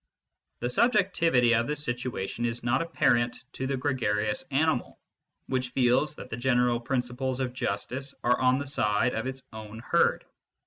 The subjectivity of this situation is not apparent to the gregarious animal, which feels that the general principles of justice are on the side of its own herd.